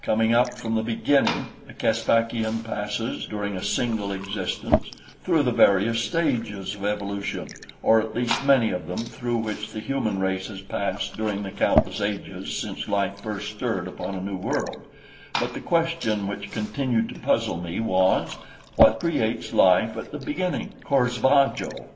Coming up from the beginning, the Caspakian passes, during a single existence, through the various stages of evolution, or at least many of them, through which the human race has passed during the countless ages since life first stirred upon a new world; but the question which continued to puzzle me was: What creates life at the beginning, cor sva jo?